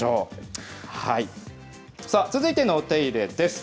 続いてのお手入れです。